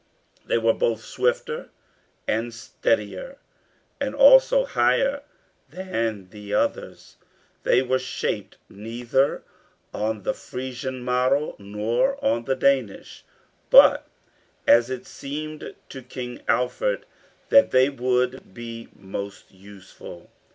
They were both swifter and steadier, and also higher than the others; they were shaped neither on the Frisian model nor on the Danish, but as it seemed to King Alfred that they would be most useful.